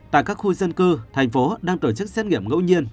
tại các khu dân cư thành phố đang tổ chức xét nghiệm ngẫu nhiên